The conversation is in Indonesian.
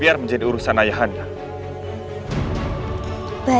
biar menjadi urusan ayah anda